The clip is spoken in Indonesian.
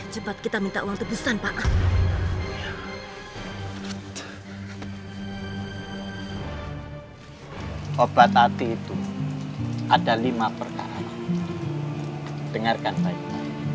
yaudah pengawal kita cari tempat lain